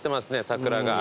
桜が。